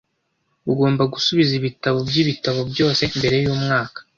Ugomba gusubiza ibitabo byibitabo byose mbere yumwaka.